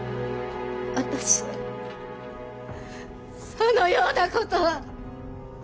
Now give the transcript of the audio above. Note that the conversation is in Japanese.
私はそのようなことは！